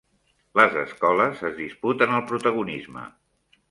Les escoles es disputen el protagonisme.